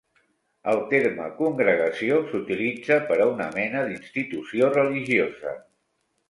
El terme "congregació" s'utilitza per a una mena d'institució religiosa.